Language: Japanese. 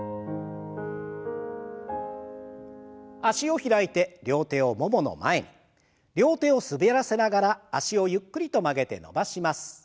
脚を開いて両手をももの前に両手を滑らせながら脚をゆっくりと曲げて伸ばします。